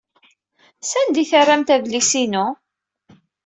Sanda ay terramt adlis-inu?